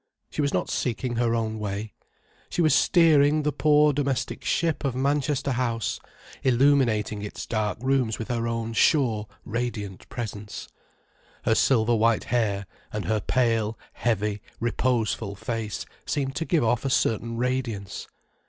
She was not seeking her own way. She was steering the poor domestic ship of Manchester House, illuminating its dark rooms with her own sure, radiant presence: her silver white hair, and her pale, heavy, reposeful face seemed to give off a certain radiance.